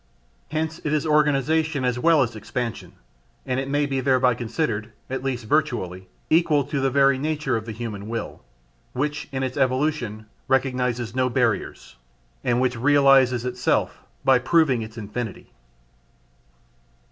Hence it is organization as well as expansion, and it may be thereby considered, at least virtually, equal to the very nature of the human will, which in its evolution recognises no barriers, and which realises itself by proving its infinity.